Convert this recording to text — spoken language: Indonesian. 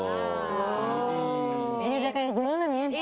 ini udah kayak gimana nih